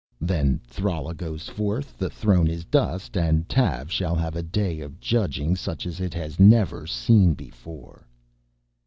"Then Thrala goes forth, the throne is dust and Tav shall have a day of judging such as it has never seen before."